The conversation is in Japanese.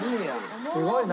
すごいな。